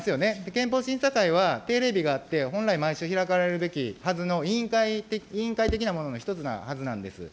憲法審査会は定例日があって、本来毎週ひらかれるべきはずの委員会的なものの１つなはずなんです。